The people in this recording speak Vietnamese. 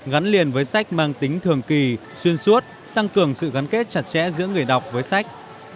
gắn liền với sách mang tính thường kỳ xuyên suốt tăng cường sự gắn kết chặt chẽ giữa người đọc với sách